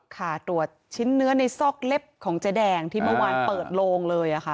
ค่ะตรวจชิ้นเนื้อในซอกเล็บของเจ๊แดงที่เมื่อวานเปิดโลงเลยค่ะ